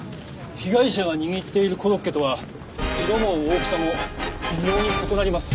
被害者が握っているコロッケとは色も大きさも微妙に異なります。